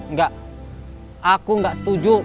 nggak aku nggak setuju